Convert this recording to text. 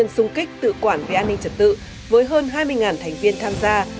xung kích tự quản về an ninh trật tự với hơn hai mươi thành viên tham gia